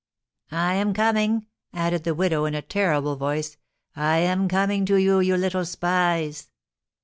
"I am coming," added the widow, in a terrible voice; "I am coming to you, you little spies!"